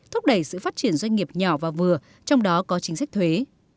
thúc đẩy sự phát triển doanh nghiệp nhỏ và vừa trong đó có chính sách thuế